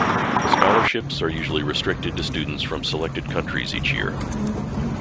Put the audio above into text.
Scholarships are usually restricted to students from selected countries each year.